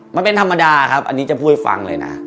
มันเป็นธรรมดาครับอันนี้จะพูดให้ฟังเลยนะ